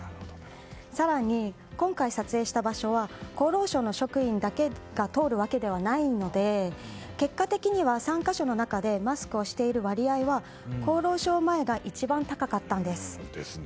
更に、今回撮影した場所は厚労省の職員だけが通るわけではないので結果的には３か所の中でマスクをしている割合は厚労省前が一番高かったんです。